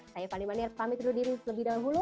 saya fani maniar pamit dulu diri lebih dahulu